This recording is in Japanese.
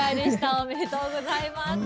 おめでとうございます。